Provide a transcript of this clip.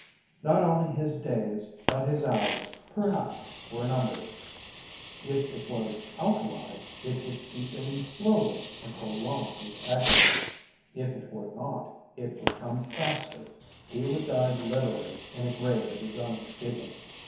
Not only his days but his hours perhaps were numbered. If it was alkali, it would seep in slowly and prolong his agony, if it were not, it would come faster. He would die literally in a grave of his own digging.